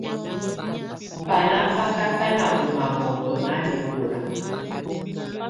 Banà bá kà kanà ù mahɔtɔ nanɛkɔlà.